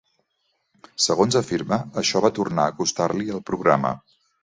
Segons afirma, això va tornar a costar-li el programa.